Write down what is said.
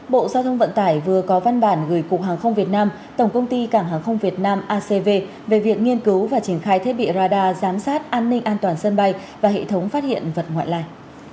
bộ giao thông vận tải vừa có văn bản gửi cục hàng không việt nam tổng công ty cảng hàng không việt nam acv về việc nghiên cứu và triển khai thiết bị radar giám sát an ninh an toàn sân bay và hệ thống phát hiện vật ngoại lai